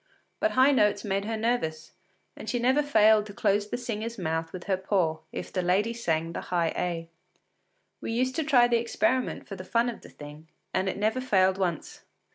But high notes made her nervous, and she never failed to close the singer’s mouth with her paw if the lady sang the high A. We used to try the experiment for the fun of the thing, and it never failed once.